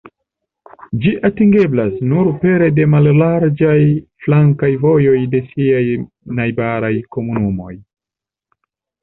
Ĝi atingeblas nur pere de mallarĝaj flankaj vojoj de siaj najbaraj komunumoj.